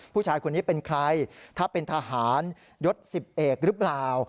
ผู้ชายคนนี้เป็นใครถ้าเป็นทหารยศ๑๐เอกหรือเปล่า